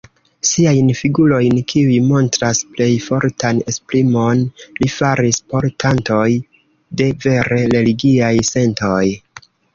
Siajn figurojn, kiuj montras plej fortan esprimon, li faris portantoj de vere religiaj sentoj.